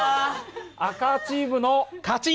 赤チームの勝ち！